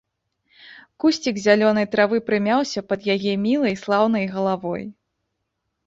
Кусцік зялёнай травы прымяўся пад яе мілай, слаўнай галавой.